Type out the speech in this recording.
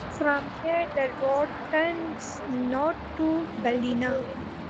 From here the route turns north to Ballina.